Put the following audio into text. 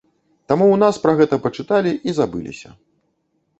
Таму ў нас пра гэта пачыталі і забыліся.